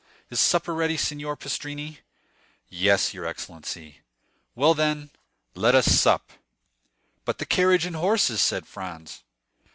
Is supper ready, Signor Pastrini?" "Yes, your excellency." "Well, then, let us sup." "But the carriage and horses?" said Franz.